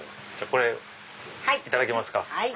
これいただけますか。